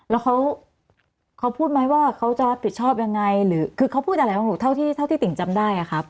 แล้วเขาพูดไหมว่าเขาจะรับผิดชอบยังไงหรือคือเขาพูดอะไรบ้างลูกเท่าที่ติ่งจำได้อะครับ